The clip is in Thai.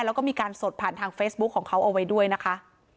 แล้วก็มีการสดผ่านทางเฟซบุ๊คของเขาเอาไว้ด้วยนะคะ